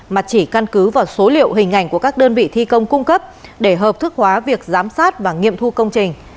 mà chỉ căn cứ vào số liệu hình ảnh của các đơn vị thi công cung cấp để hợp thức hóa việc giám sát và nghiệm thu công trình